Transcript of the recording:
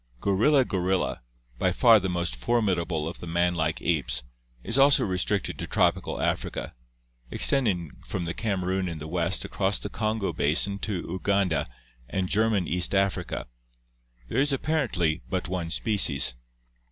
Gorilla gorilla, by far the most formidable of the man like apes, is also restricted to tropical Africa, extending from the Kamerun in the West across the Kongo basin to Uganda and German East Africa. There is apparently but one species.